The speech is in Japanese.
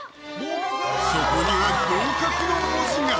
そこには合格の文字が！